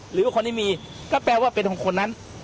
หรือคนที่มีก็แปลว่าเป็นของคนนั้น